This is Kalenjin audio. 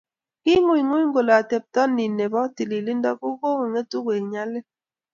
King'gung'uny kole atepto niyo ne bo tililndo ko kokung'etu koek nyalil